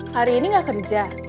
hari ini nggak kerja